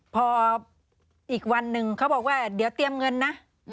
พออีกวันหนึ่งเขาบอกว่าเดี๋ยวเตรียมเงินนะ